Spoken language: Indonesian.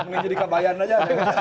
menjadi kebayang aja